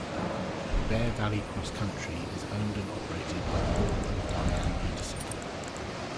Bear Valley Cross Country is owned and operated by Paul and Diane Petersen.